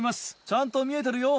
ちゃんと見えてるよ。